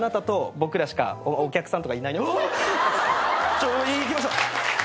ちょ行きましょう。